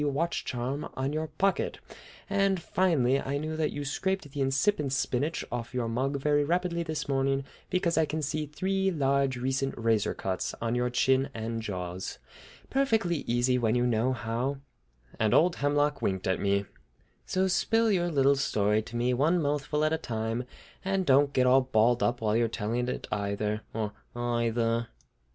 watch charm on your pocket; and, finally, I knew that you scraped the incipient spinach off your mug very rapidly this morning because I can see three large recent razor cuts on your chin and jaws! Perfectly easy when you know how!" And old Hemlock winked at me. "So spill out your little story to me, one mouthful at a time, and don't get all balled up while you're telling it either, or eyether."